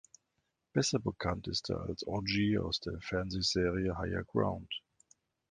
Besser bekannt ist er als Auggie aus der Fernsehserie "Higher Ground".